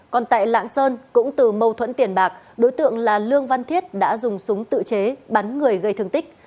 còn tại lạng sơn cũng từ mâu thuẫn tiền bạc đối tượng là lương văn thiết đã dùng súng tự chế bắn người gây thương tích